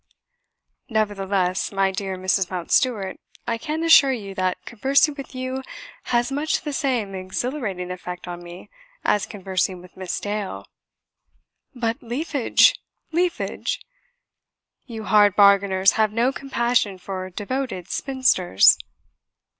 "Nevertheless, my dear Mrs. Mountstuart, I can assure you that conversing with you has much the same exhilarating effect on me as conversing with Miss Dale." "But, leafage! leafage! You hard bargainers have no compassion for devoted spinsters."